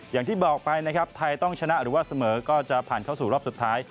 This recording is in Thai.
อย่างที่บอกไปนะครับไทยต้องชนะหรือว่าเสมอก็จะผ่านเข้าสู่รอบสุดท้าย